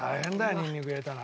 ニンニク入れたら。